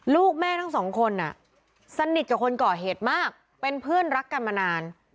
ลูกแม่ทั้งสองคนสนิทกับคนก่อเหตุมากเป็นเพื่อนรักกันมานาน